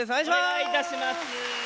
お願いいたします。